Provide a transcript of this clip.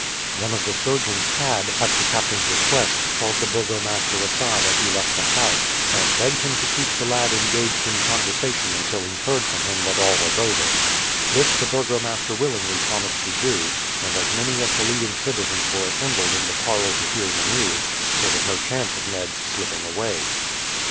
One of the surgeons had, at the captain's request, called the burgomaster aside as he left the house, and begged him to keep the lad engaged in conversation until he heard from him that all was over. This the burgomaster willingly promised to do; and as many of the leading citizens were assembled in the parlour to hear the news, there was no chance of Ned's slipping away.